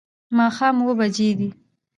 ماښام اووه بجې دي